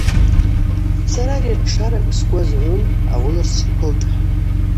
Сара ари атшшаракӏ сгвы азгӏвун, ауыла сджвыквылтӏ.